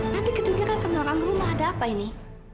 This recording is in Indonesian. nanti ketunggiran sama orang rumah ada apa ini